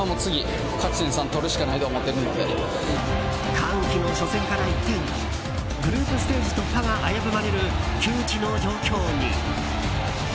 歓喜の初戦から一転グループステージ突破が危ぶまれる窮地の状況に。